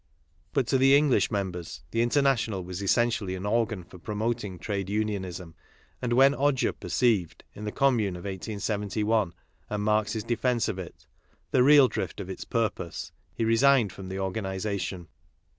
But to the English members the Inter national was essentially an organ for promoting trade unionism ; and when Odger perceived, in the Commune of 1871 and Marx's defence of it, the real drift of its purpose, he resigned from the organization.